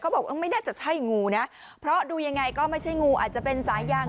บอกว่าไม่น่าจะใช่งูนะเพราะดูยังไงก็ไม่ใช่งูอาจจะเป็นสายยาง